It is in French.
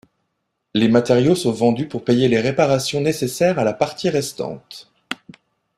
Les matériaux sont vendus pour payer les réparations nécessaires à la partie restante.